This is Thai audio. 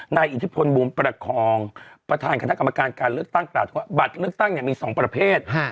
ในอิทธิพลมุมประคองประธานคณะกรรมการการเลือกตั้งบัตรเลือกตั้งมี๒ประเภท